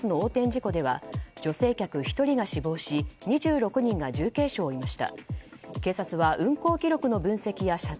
事故では女性客１人が死亡し２６人が重軽傷を負いました。